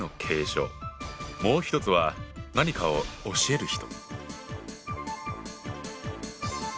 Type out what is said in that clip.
もう１つは「何かを教える人」。